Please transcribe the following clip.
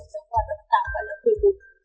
giáo dục và đào tạo tp hcm